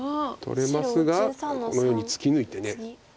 取れますがこのように突き抜いて。